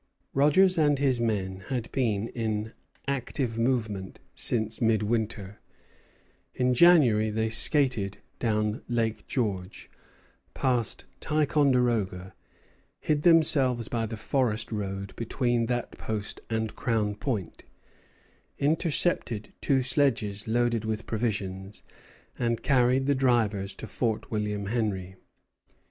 Rogers and his men had been in active movement since midwinter. In January they skated down Lake George, passed Ticonderoga, hid themselves by the forest road between that post and Crown Point, intercepted two sledges loaded with provisions, and carried the drivers to Fort William Henry.